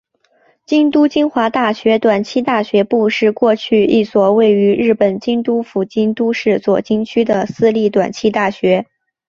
京都精华大学短期大学部是过去一所位于日本京都府京都市左京区的私立短期大学。